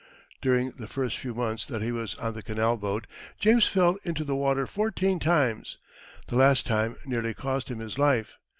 During the few months that he was on the canal boat, James fell into the water fourteen times. The last time nearly cost him his life.